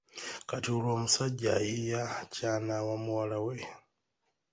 Kati olwo omusajja ayiiya ky’anaawa muwala we.